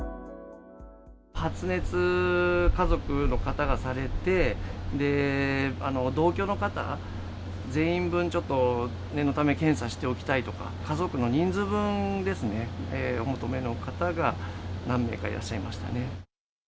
発熱、家族の方がされて、同居の方全員分、ちょっと念のため検査しておきたいとか、家族の人数分ですね、お求めの方が何名かいらっしゃいましたね。